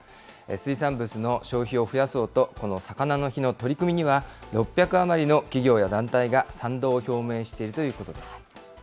水産物の消費を増やそうと、このさかなの日の取り組みには、６００余りの企業や団体が賛同を表明しているということです。